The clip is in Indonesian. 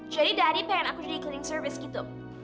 jadi daddy pengen aku jadi cleaning service gitu